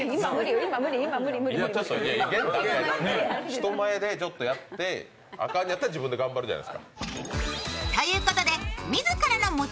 人前でちょっとやってアカンのやったら自分で頑張るじゃないですか。